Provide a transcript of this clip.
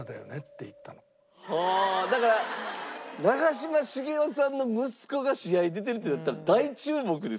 ああだから長嶋茂雄さんの息子が試合出てるってなったら大注目ですよね。